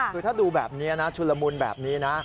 คือถ้าดูแบบนี้นะชุลมุนแบบนี้นะ